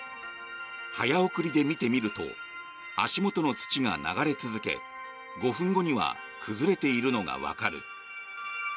早送りで見てみると足元の土が流れ続け５分後には崩れているのがわかる。